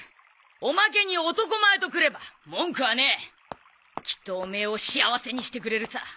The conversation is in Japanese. おまけに男前とくれば文句はねえ！きっとオメエを幸せにしてくれるさ。